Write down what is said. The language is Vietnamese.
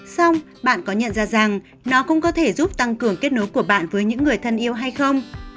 xong bạn có nhận ra rằng nó cũng có thể giúp tăng cường kết nối của bạn với những người thân yêu hay không